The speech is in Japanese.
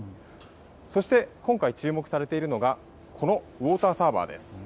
そして今回、注目されているのがこのウォーターサーバーです。